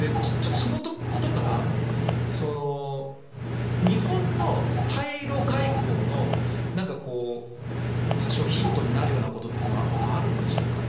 そのことから日本の対ロ外交の多少ヒントになるようなことというのはあるんでしょうかね。